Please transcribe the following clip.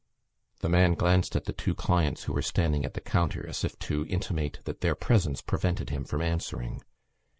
The man glanced at the two clients who were standing at the counter as if to intimate that their presence prevented him from answering.